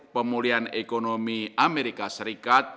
pemulihan ekonomi amerika serikat